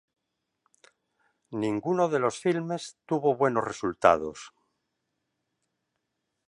Ninguno de los filmes tuvo buenos resultados.